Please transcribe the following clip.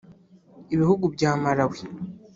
Ibihugu bya Malawi